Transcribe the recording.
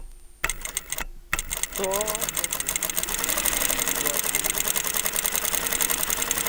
Ntαά mbᾱ ko wen bᾱ mbūᾱsī nā í mʉ.